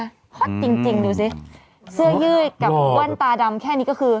ฮอตจริงดูสิเสื้อยืดกับแว่นตาดำแค่นี้ก็คือ